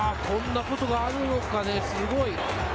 こんなことがあるのかね、すごい。